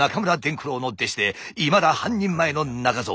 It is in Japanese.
九郎の弟子でいまだ半人前の中蔵。